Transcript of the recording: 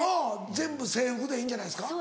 全部制服でいいんじゃないですか？